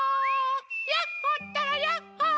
ヤッホったらヤッホー！